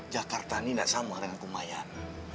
jakarta ini nggak sama dengan kumayan